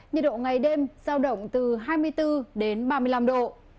nhiệt độ ngày đêm giao động từ hai mươi bốn đến ba mươi năm độ